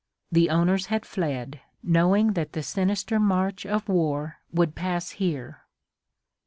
The owners had fled, knowing that the sinister march of war would pass here.